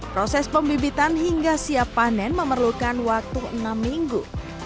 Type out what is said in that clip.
proses pembibitan hingga siap panen memerlukan waktu enam minggu